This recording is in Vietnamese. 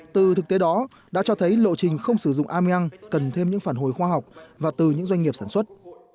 từ thực tế đó đã cho thấy lộ trình không sử dụng ameang cần thêm những phản hồi khoa học và từ những doanh nghiệp sản xuất